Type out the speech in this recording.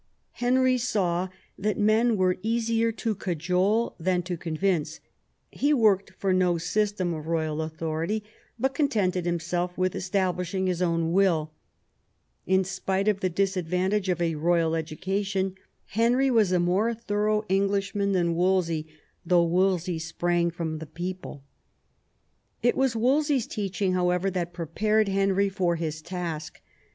Henry saw that men were easier to cajole than to convince; he worked for no system of royal authority, but contented himself with establishing his own will In spite of the disadvantage of a royal education, Henry was a more thorough English man than Wolsey, though Wolsey sprang from the people. It was Wolsey's teaching, however, that prepared Henry for his task.